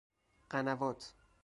قنوات